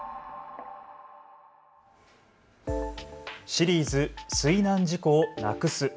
シリーズ水難事故をなくす。